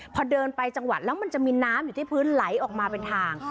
พอเดินไปจังหวัดแล้วมันจะมีน้ำอยู่ที่พื้นไหลออกมาเป็นทาง